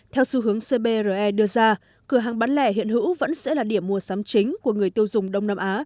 theo xu hướng cbre đưa ra cửa hàng bán lẻ hiện hữu vẫn sẽ là điểm mua sắm chính của người tiêu dùng đông nam á